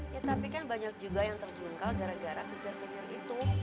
ya tapi kan banyak juga yang terjungkal gara gara kejar kejar itu